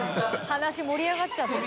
話盛り上がっちゃって。